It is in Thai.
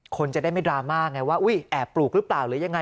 คนจะได้ไม่ดราม่าไงว่าแอบปลูกหรือเปล่าหรือยังไง